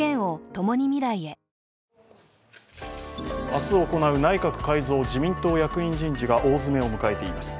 明日行う内閣改造、自民党役員人事が大詰めを迎えています。